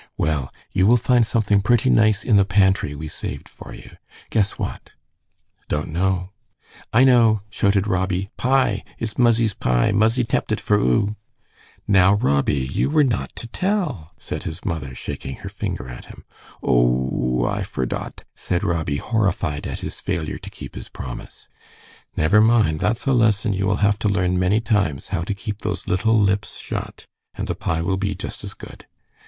"Well, you will find something pretty nice in the pantry we saved for you. Guess what." "Don't know." "I know," shouted Robbie. "Pie! It's muzzie's pie. Muzzie tept it for 'oo." "Now, Robbie, you were not to tell," said his mother, shaking her finger at him. "O o o, I fordot," said Robbie, horrified at his failure to keep his promise. "Never mind. That's a lesson you will have to learn many times, how to keep those little lips shut. And the pie will be just as good."